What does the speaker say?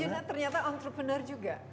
tapi ternyata entrepreneur juga